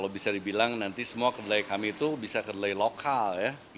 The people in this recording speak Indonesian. kalau bisa dibilang nanti semua kedelai kami itu bisa kedelai lokal ya